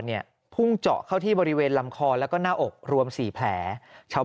พุ่งเจาะเข้าที่บริเวณลำคอแล้วก็หน้าอกรวม๔แผลชาว